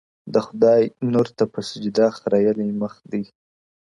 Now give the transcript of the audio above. د خدای نور ته په سجده خريلی مخ دی~